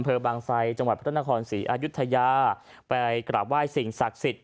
ต้นทนครศรีอายุทยาไปกราบไหว้สิ่งศักดิ์สิทธิ์